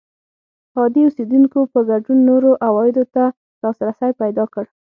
عادي اوسېدونکو په ګډون نورو عوایدو ته لاسرسی پیدا کړ